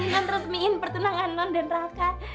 non resmiin pertunangan non dan raka